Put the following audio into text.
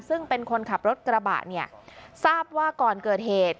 ซึ่งเป็นคนขับรถกระบะเนี่ยทราบว่าก่อนเกิดเหตุ